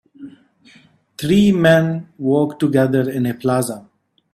Three men walk together in a plaza.